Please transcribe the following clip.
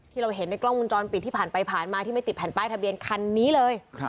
เราเห็นในกล้องวงจรปิดที่ผ่านไปผ่านมาที่ไม่ติดแผ่นป้ายทะเบียนคันนี้เลย